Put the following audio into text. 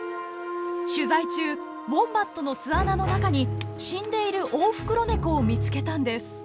取材中ウォンバットの巣穴の中に死んでいるオオフクロネコを見つけたんです。